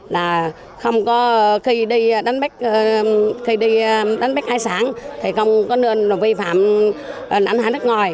là không có khi đi đánh bắt hải sản không có nơi vi phạm lãnh hãi nước ngoài